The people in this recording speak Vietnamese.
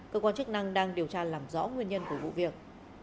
cơ quan chức năng đang điều tra làm rõ nguyên nhân của vụ việc